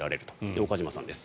で、岡島さんです。